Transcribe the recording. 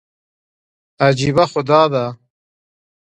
عجیبه خو دا ده.